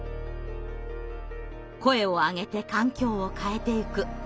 声を上げて環境を変えてゆく。